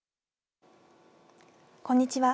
こんにちは。